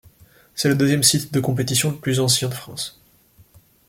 C'est le deuxième site de compétition le plus ancien de France.